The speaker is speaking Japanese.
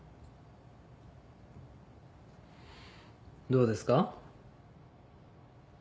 どうですか？